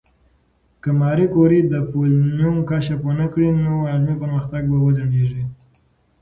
که ماري کوري د پولونیم کشف ونکړي، نو علمي پرمختګ به وځنډېږي.